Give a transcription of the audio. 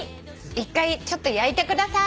１回ちょっと焼いてください。